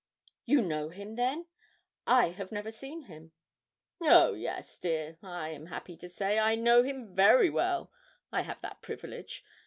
'You know him, then? I have never seen him.' 'Oh dear, yes I am happy to say, I know him very well. I have that privilege.